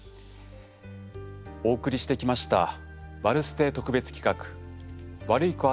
お送りしてきました「ワルステ特別企画ワルイコ